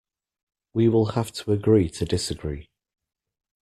We will have to agree to disagree